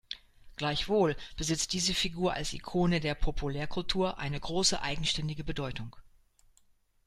Gleichwohl besitzt diese Figur als Ikone der Populärkultur eine große eigenständige Bedeutung.